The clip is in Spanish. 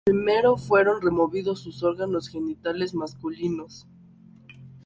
Primero fueron removidos sus órganos genitales masculinos.